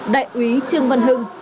đại úy trương văn hưng